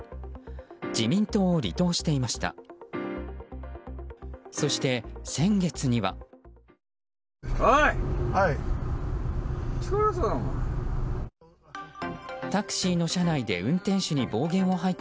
自民党を離党していました。